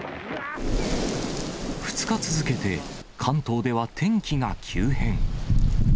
２日続けて、関東では天気が急変。